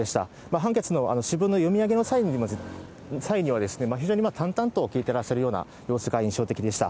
判決の主文の読み上げの際には、非常に淡々と聞いてらっしゃるような様子が印象的でした。